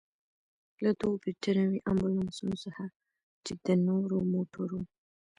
له دوو برتانوي امبولانسونو څخه، چې د نورو موټرو.